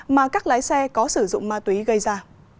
mà các lái xe có sử dụng ma túy gây ra